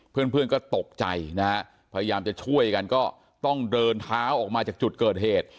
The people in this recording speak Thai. เพื่อนก็ตกใจนะฮะพยายามจะช่วยกันก็ต้องเดินเท้าออกมาจากจุดเกิดเหตุ